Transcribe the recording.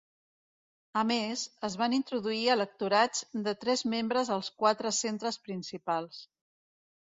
A més, es van introduir electorats de tres membres als quatre centres principals.